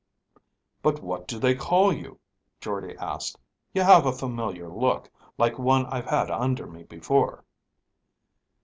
"But what do they call you?" Jordde asked. "You have a familiar look, like one I've had under me before."